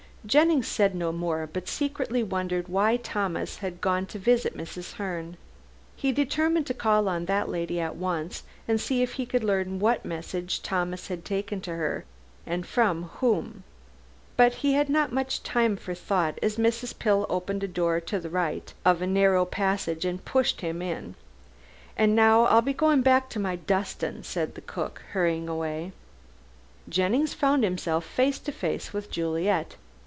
Jennings said no more, but secretly wondered why Thomas had gone to visit Mrs. Herne. He determined to call on that lady at once and see if he could learn what message Thomas had taken her and from whom. But he had not much time for thought as Mrs. Pill opened a door to the right of a narrow passage and pushed him in. "An' now I'll go back to my dustin'," said the cook, hurrying away. Jennings found himself face to face with Juliet.